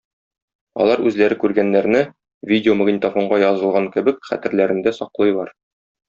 Алар үзләре күргәннәрне, видеомагнитофонга язылган кебек, хәтерләрендә саклыйлар.